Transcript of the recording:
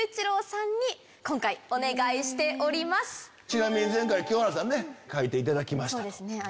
ちなみに前回清原さんね描いていただきました。